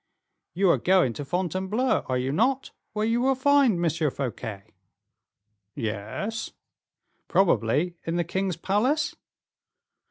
"You are going to Fontainebleau, are you not, where you will find M. Fouquet?" "Yes." "Probably in the king's palace?"